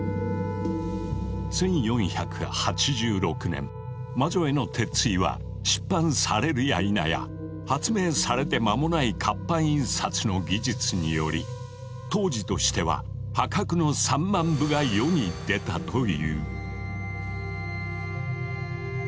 １４８６年「魔女への鉄槌」は出版されるやいなや発明されて間もない活版印刷の技術により当時としては破格の３万部が世に出たという。